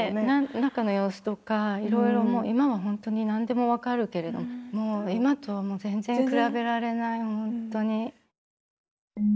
中の様子とかいろいろもう今は本当に何でも分かるけれども今とはもう全然比べられない本当に。